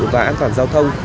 và an toàn giao thông